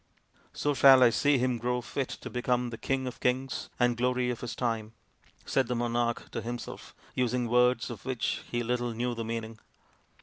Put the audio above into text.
" So shall I see him grow fit to become the king of kings and glory of his time," said the monarch to himself, using words of which he little knew the meaning.